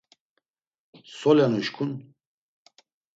Solen uşǩun?